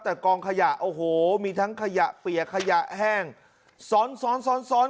แต่กองขยะโอ้โหมีทั้งขยะเปียกขยะแห้งซ้อนซ้อนซ้อนซ้อน